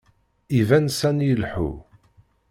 Iban sani ileḥḥu.